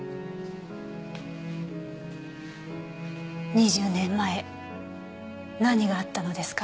２０年前何があったのですか？